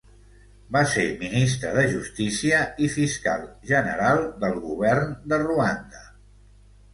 Va ser ministre de Justícia i Fiscal General del Govern de Ruanda.